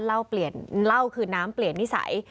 เหล้าเปลี่ยนเหล้าคือน้ำเปลี่ยนนิสัย